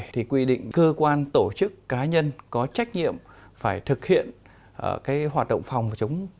thì quy định cơ quan tổ chức cá nhân có trách nhiệm phải thực hiện cái hoạt động phòng và chống